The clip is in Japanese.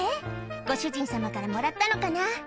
ご主人様からもらったのかな？